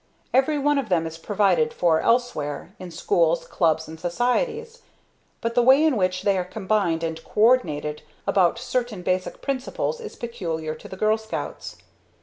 Every one of them is provided for elsewhere, in schools, clubs, and societies. But the way in which they are combined and co ordinated about certain basic principles is peculiar to the Girl Scouts.